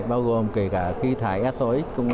bao gồm kể cả khí thải sox công nghệ